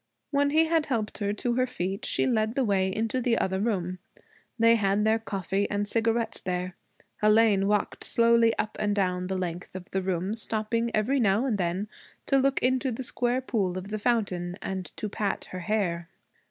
When he had helped her to her feet she led the way into the other room. They had their coffee and cigarettes there. Hélène walked slowly up and down the length of the room, stopping every now and then to look into the square pool of the fountain and to pat her hair.